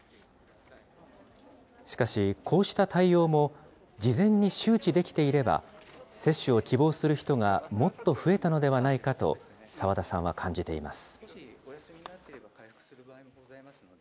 しかし、こうした対応も事前に周知できていれば、接種を希望する人がもっと増えたのではないかと、澤田さんは感じています。